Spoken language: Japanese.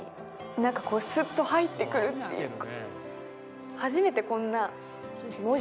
何かスッと入ってくるっていうか。